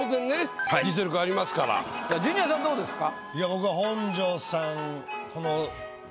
いや当然ジュニアさんどうですか？